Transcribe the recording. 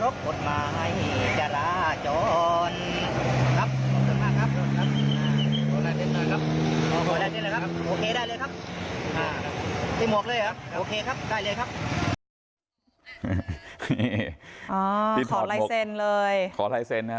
ขอไล้เซ็นเลยโอ้โห